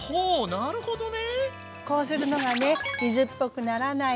なるほどね。